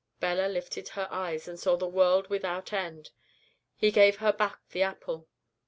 "Bella lifted her eyes and saw the World without End. He gave her back the apple.